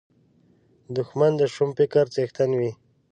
دښمن د شوم فکر څښتن وي